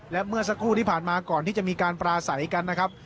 และเมื่อสักครู่ที่ผ่านมาก่อนที่จะมีการปราศัยกันนะครับ